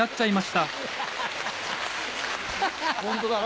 ホントだな。